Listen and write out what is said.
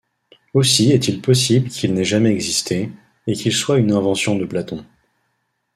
Aussi est-il possible qu’il n’ait jamais existé, et qu’il soit une invention de Platon.